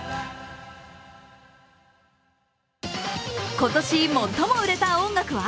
今年最も売れた音楽は？